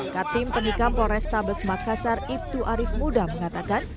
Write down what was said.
katim penikam polrestabes makassar ibtu arief muda mengatakan